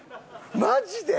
マジで！？